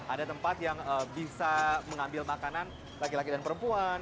ada tempat yang bisa mengambil makanan laki laki dan perempuan